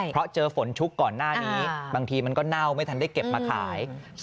เพราะเจอฝนชุกก่อนหน้านี้บางทีมันก็เน่าไม่ทันได้เก็บมาขาย